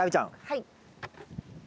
はい。